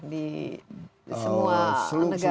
di semua negara